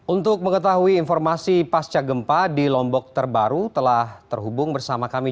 untuk mengetahui informasi pasca gempa di lombok terbaru telah terhubung bersama kami